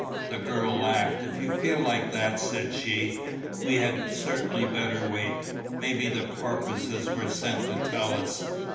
The girl laughed. "If you feel like that," said she, "we had certainly better wait. Maybe the porpoises were sent to tell us."